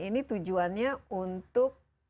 dan ini tujuannya untuk